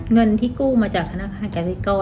เงินที่กู้มาจากธนาคารกาซิโก้